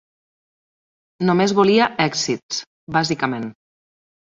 Només volia èxits, bàsicament.